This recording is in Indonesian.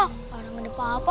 para mendepak apa